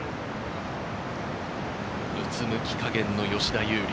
うつむき加減の吉田優利。